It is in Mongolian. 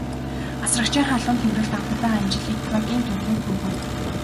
Асрагчийн халуун тэврэлт анх удаа Анжеликагийн дургүйг хүргэв.